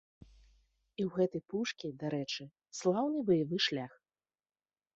І ў гэтай пушкі, дарэчы, слаўны баявы шлях.